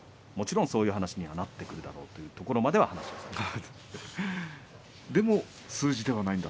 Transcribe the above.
もちろんそういう話にはなってくるだろうというところまで話していました。